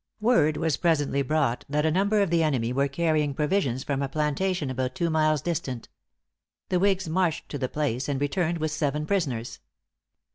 Word was presently brought that a number of the enemy were carrying provisions from a plantation about two miles distant. The whigs marched to the place, and returned with seven prisoners.